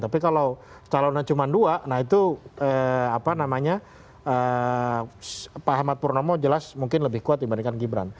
tapi kalau calonnya cuma dua nah itu apa namanya pak ahmad purnomo jelas mungkin lebih kuat dibandingkan gibran